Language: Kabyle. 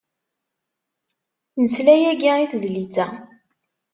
Nesla yagi i tezlit-a.